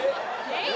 えっ？